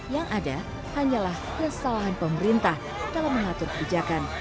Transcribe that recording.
yang ada hanyalah kesalahan pemerintah dalam mengatur kebijakan